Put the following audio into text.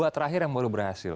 dua terakhir yang baru berhasil